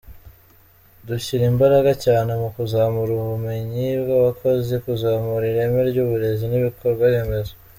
Dushyira imbaraga cyane mu kuzamura ubumenyi bw’abakozi, kuzamura ireme ry’uburezi n’ibikorwaremezo.